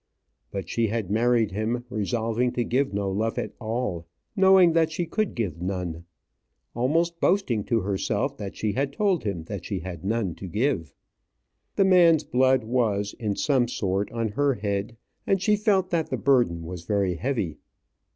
But she had married him resolving to give no love at all, knowing that she could give none; almost boasting to herself that she had told him that she had none to give. The man's blood was, in some sort, on her head, and she felt that the burden was very heavy.